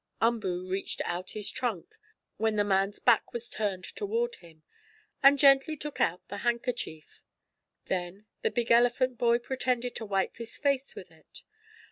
Umboo reached out his trunk, when the man's back was turned toward him, and gently took out the handkerchief. Then the big elephant boy pretended to wipe his face with it.